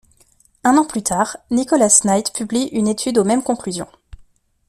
Un an plus tard, Nicholas Knight publie une étude aux mêmes conclusions.